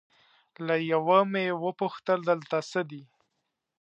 له یوه مې وپوښتل دلته څه دي؟